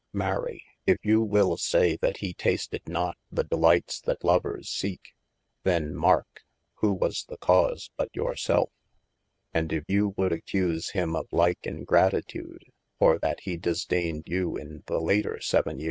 Mary if you will say that he tasted not the delightes that lovers seeke, then marke, who was the cause but 43 * THE ADVENTURES your selfe ? And if you would accuse him of like ingratitude, for yl he disdained you in the later vii.